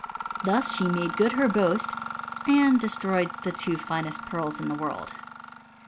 Thus $he made £^>od her boast« and destroved the two finest pearls in the world.